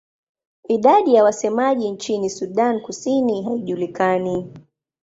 Idadi ya wasemaji nchini Sudan Kusini haijulikani.